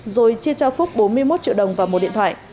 rồi chia cho phúc bốn mươi một triệu đồng vào một điện thoại